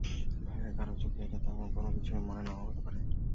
বাইরের কারও চোখে এটা তেমন কোনো কিছু মনে না–ও হতে পারে।